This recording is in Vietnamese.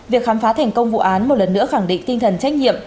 việc khám phá thành công vụ án một lần nữa khẳng định tinh thần trách nhiệm